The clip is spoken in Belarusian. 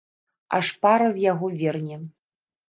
Аж пара з яго верне.